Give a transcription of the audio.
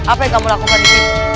apa yang kamu lakukan ini